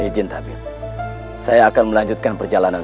aku ingin ke dapat roya ramila dan alina